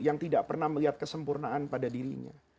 yang tidak pernah melihat kesempurnaan pada dirinya